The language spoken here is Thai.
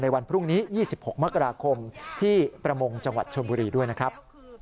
วันพรุ่งนี้๒๖มกราคมที่ประมงจังหวัดชนบุรีด้วยนะครับ